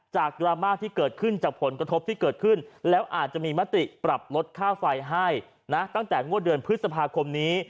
ดราม่าที่เกิดขึ้นจากผลกระทบที่เกิดขึ้นแล้วอาจจะมีมติปรับลดค่าไฟให้นะตั้งแต่งวดเดือนพฤษภาคมนี้